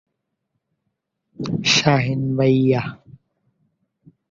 লখনউ উত্তর, লখনউ লোকসভা কেন্দ্রের পাঁচটি বিধানসভা কেন্দ্রের একটি।